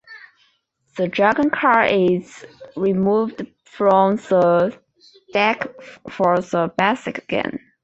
The Dragon card is removed from the deck for the basic game.